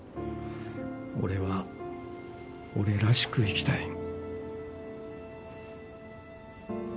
俺は俺らしく生きたい。